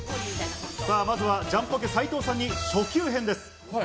まずはジャンポケ・斉藤さんに初級編です。